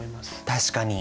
確かに。